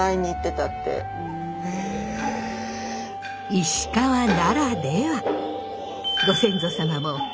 石川ならでは。